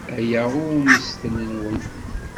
Aya i ummesten-nwen.